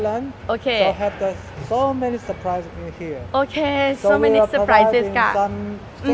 และบางที่เข้าใจโคมมาสีนอกได้